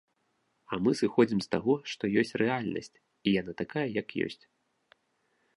А мы сыходзім з таго, што ёсць рэальнасць, і яна такая, як ёсць.